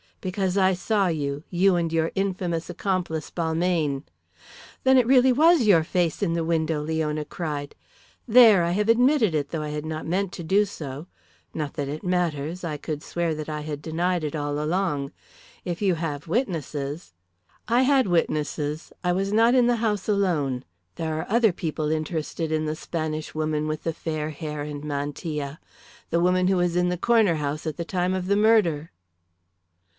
"Because I saw you you and your infamous accomplice, Balmayne." "Then it really was your face in the window!" Leona cried. "There, I have admitted it, though I had not meant to do so. Not that it matters. I could swear that I had denied it all along. If you have witnesses " "I had witnesses; I was not in the house alone. There are other people interested in the Spanish woman with the fair hair and mantilla the woman who was in the Corner House at the time of the murder!"